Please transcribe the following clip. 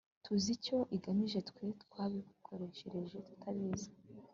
tuzi icyo igamije, twe twabikoresheje turabizi